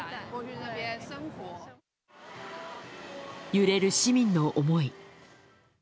揺れる市民の思い。